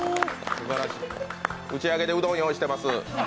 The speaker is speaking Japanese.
打ち上げでうどん用意してます。